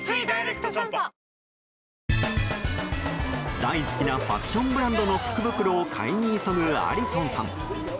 大好きなファッションブランドの福袋を買いに急ぐアリソンさん。